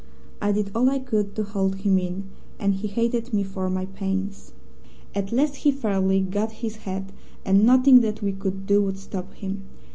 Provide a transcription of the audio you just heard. I did all I could to hold him in, and he hated me for my pains. "At last he fairly got his head, and nothing that we could do would stop him.